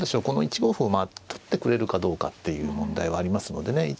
この１五歩を取ってくれるかどうかっていう問題はありますのでね。